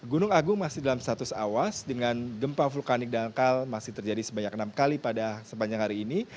gunung agung masih dalam status awas dengan gempa vulkanik dangkal masih terjadi sebanyak enam kali pada sepanjang hari ini